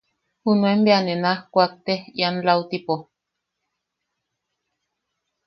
Junuen bea ne naj kuaktek ian lautipo.